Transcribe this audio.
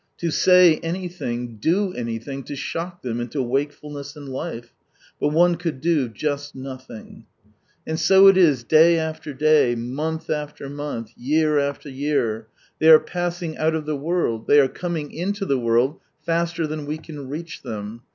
To say anything, do anything to shock I them into wakefulness and life ! But one could do just rwlhing. '..^\.■^^ 'r' And so it is day after day, month after month, year after year. They are pa 'sing out of the world, Ihey are coming into the world faster than we can reach them.